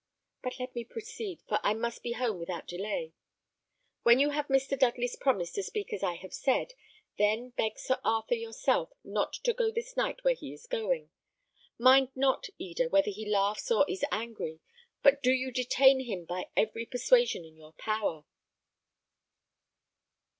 But let me proceed, for I must be home without delay. When you have Mr. Dudley's promise to speak as I have said, then beg Sir Arthur yourself not to go this night where he is going. Mind not, Eda, whether he laughs or is angry, but do you detain him by every persuasion in your power."